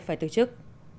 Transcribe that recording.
phải từ chức